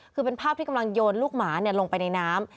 คือเป็นภาพที่กำลังโยนลูกหมาลงไปในน้ำ